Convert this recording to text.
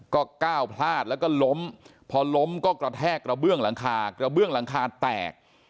ก็ก้าวพลาดแล้วก็ล้มพอล้มก็กระแทกกระเบื้องหลังคากระเบื้องหลังคาแตก